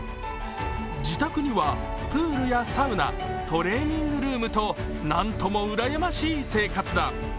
自宅にはプールやサウナ、トレーニングルームと、なんともうらやましい生活だ。